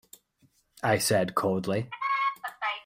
I said coldly.